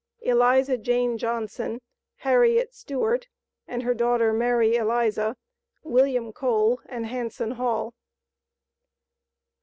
ELIZA JANE JOHNSON, HARRIET STEWART, AND HER DAUGHTER MARY ELIZA, WILLIAM COLE, AND HANSON HALL.